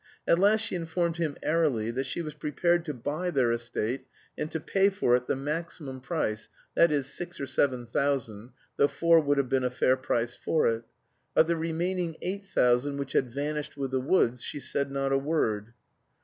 At last she informed him airily that she was prepared to buy their estate, and to pay for it the maximum price, that is, six or seven thousand (though four would have been a fair price for it). Of the remaining eight thousand which had vanished with the woods she said not a word.